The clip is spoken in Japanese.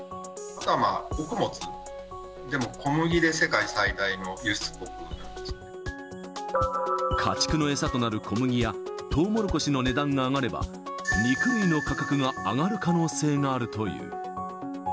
あとは穀物でも、小麦で世界家畜の餌となる小麦や、トウモロコシの値段が上がれば、肉類の価格が上がる可能性があるという。